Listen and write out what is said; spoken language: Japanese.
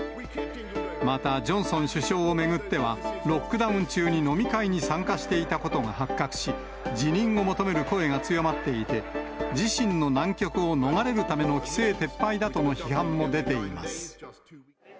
またジョンソン首相を巡っては、ロックダウン中に飲み会に参加していたことが発覚し、辞任を求める声が強まっていて、自身の難局を逃れるための規制撤廃だとの批判も出ています。